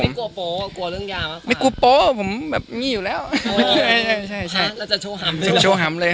ไม่ได้มันชอบ